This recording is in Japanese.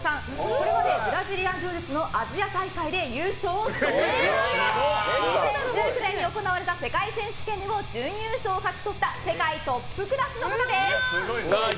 これまでブラジリアン柔術のアジア大会で優勝しており２０１９年に行われた世界選手権でも準優勝を勝ち取った世界トップクラスの方です。